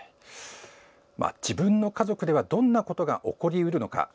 自分の家族ではどんなことが起こり得るのか。